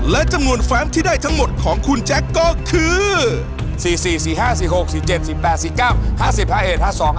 และจำนวนแฟนที่ได้ทั้งหมดของคุณแจ๊คก็คือ